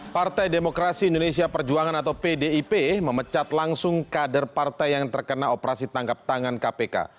partai demokrasi indonesia perjuangan atau pdip memecat langsung kader partai yang terkena operasi tangkap tangan kpk